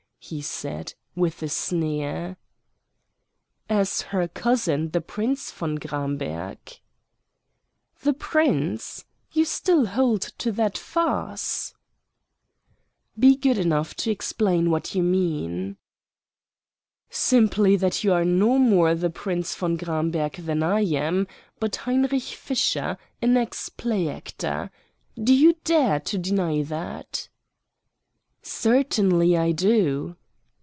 he said, with a sneer. "As her cousin, the Prince von Gramberg." "The Prince. You still hold to that farce?" "Be good enough to explain what you mean." "Simply that you are no more the Prince von Gramberg than I am, but Heinrich Fischer, an ex play actor. Do you dare to deny that?" "Certainly I do."